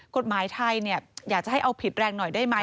กฎหมายไทยอยากจะให้เอาผิดแรงหน่อยได้ไหม